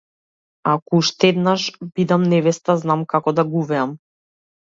Ако уште еднаш бидам невеста, знам како да гувеам.